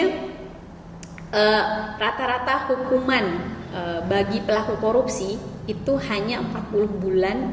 karena rata rata hukuman bagi pelaku korupsi itu hanya empat puluh bulan